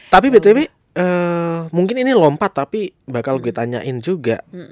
tapi btp mungkin ini lompat tapi bakal ditanyain juga